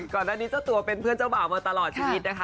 ก่อนหน้านี้เจ้าตัวเป็นเพื่อนเจ้าบ่าวมาตลอดชีวิตนะคะ